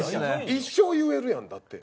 一生言えるやんだって。